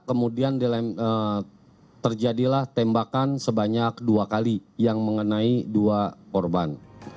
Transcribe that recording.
kemudian terjadilah tembakan sebanyak dua kali yang mengenai dua korban